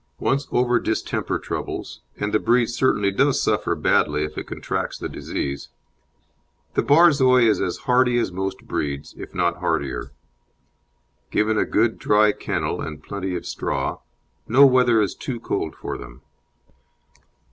Once over distemper troubles and the breed certainly does suffer badly if it contracts the disease the Borzoi is as hardy as most breeds, if not hardier. Given a good dry kennel and plenty of straw, no weather is too cold for them.